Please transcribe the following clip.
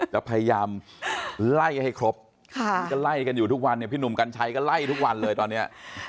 แล้วพยายามไล่ให้ครบที่ก็ไล่กันอยู่ทุกวันเนี่ยพี่หนุ่มกัญชัยก็ไล่ทุกวันเลยตอนนี้